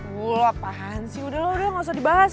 gula apaan sih udah lah udah gak usah dibahas